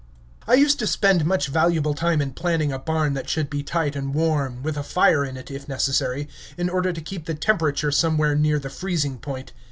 I used to spend much valuable time in planning a barn that should be tight and warm, with a fire in it, if necessary, in order to keep the temperature somewhere near the freezing point.